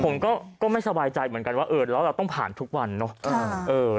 ผมก็ไม่สบายใจเหมือนกันว่าเออแล้วเราต้องผ่านทุกวันเนอะ